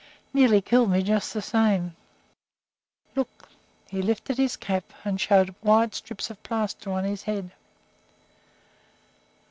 Nearly killed me, just the same. Look!" He lifted his cap and showed wide strips of plaster on his head.